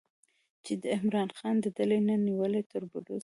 چې د عمران خان د ډلې نه نیولې تر بلوڅو